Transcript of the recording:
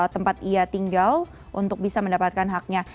tempat ia tinggal untuk bisa mendapatkan haknya